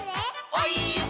「オイス！」